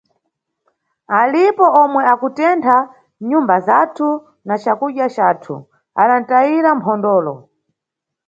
Alipo omwe akutentha nyumba zathu na cakudya cathu, adanʼtayira mphondolo.